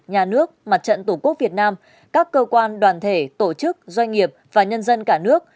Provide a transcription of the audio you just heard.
nhà nước mặt trận tổ quốc việt nam các cơ quan đoàn thể tổ chức doanh nghiệp và nhân dân cả nước